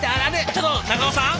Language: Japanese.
ちょっと長尾さん？